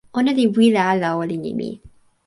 ona li wile ala olin e mi.